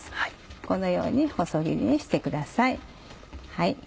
このように細切りにしてください。